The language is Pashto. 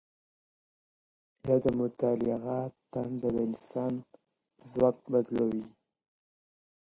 آيا د مطالعې تنده د انسان ذوق بدلوي؟